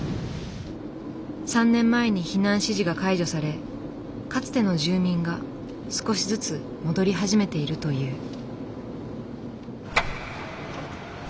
３年前に避難指示が解除されかつての住民が少しずつ戻り始めているという。